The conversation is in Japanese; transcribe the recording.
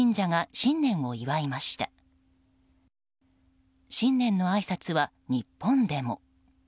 新年のあいさつは日本でも。